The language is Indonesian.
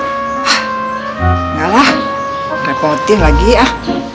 ah malah repotin lagi ah